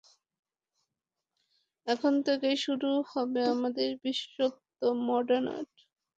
এখন থেকেই শুরু হবে আমাদের বিশেষত্ব, মডার্ন আর্ট।